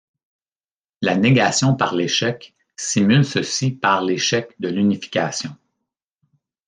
La négation par l'échec simule ceci par l'échec de l'unification.